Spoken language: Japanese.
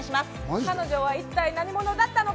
彼女は一体何者だったのか？